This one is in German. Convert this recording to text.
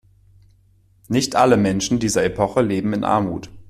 Nicht alle Menschen dieser Epoche leben in Armut.